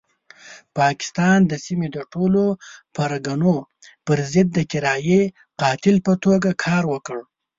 پاکستان د سیمې د ټولو پرګنو پرضد د کرایي قاتل په توګه کار وکړ.